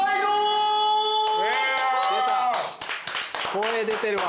声出てるわ。